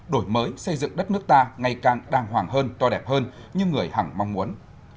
đổi mới xây dựng đất nước ta ngày càng đàng hoàng hơn to đẹp hơn như người hẳn mong muốn